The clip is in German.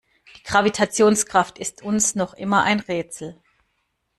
Die Gravitationskraft ist uns noch immer ein Rätsel.